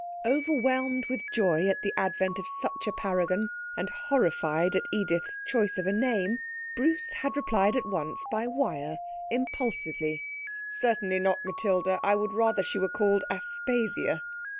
Overwhelmed with joy at the advent of such a paragon, and horrified at Edith's choice of a name, Bruce had replied at once by wire, impulsively: _'Certainly not Matilda I would rather she were called Aspasia.'